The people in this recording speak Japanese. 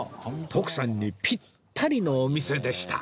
徳さんにピッタリのお店でした